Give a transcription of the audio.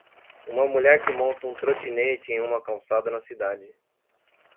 Uma mulher que monta um "trotinette" em uma calçada na cidade.